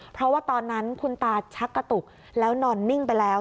เพราะว่าตอนนั้นคุณตาชักกระตุกแล้วนอนนิ่งไปแล้ว